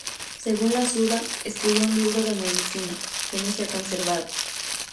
Según la "Suda", escribió un libro de medicina, que no se ha conservado.